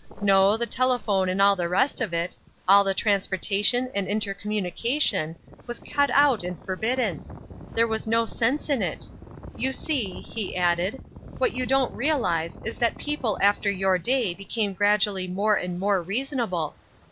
No, the telephone and all the rest of it, all the transportation and intercommunication was cut out and forbidden. There was no sense in it. You see," he added, "what you don't realise is that people after your day became gradually more and more reasonable.